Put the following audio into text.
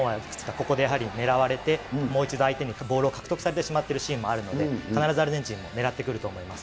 ここでやはり狙われてもう一度相手にボールを獲得されてしまっているシーンがあるので、必ずアルゼンチン、狙ってくると思います。